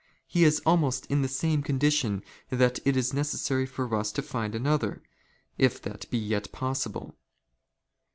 He is "■ almost in the same condition that it is necessary for us to find " another, if that be yet possible.